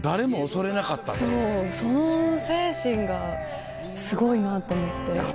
その精神がすごいなと思って。